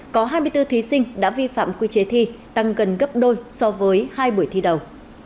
có hai mươi bốn thí sinh đã vi phạm quy chế thi tăng gần gấp đôi so với hai buổi thi đầu